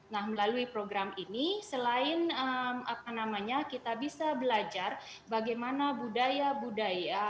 nah melalui program ini selain kita bisa belajar bagaimana budaya budaya